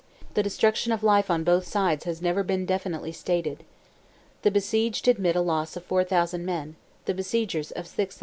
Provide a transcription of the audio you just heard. The destruction of life on both sides has never been definitely stated. The besieged admit a loss of 4,000 men; the besiegers of 6,000.